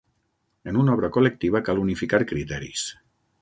En una obra col·lectiva cal unificar criteris.